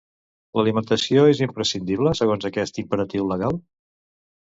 L'alimentació és imprescindible segons aquest imperatiu legal?